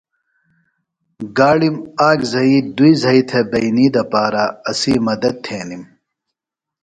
گاڑِم آک زھئی دُئی زھئی تھےۡ بئنی دپارہ اسی مدد تھینِم۔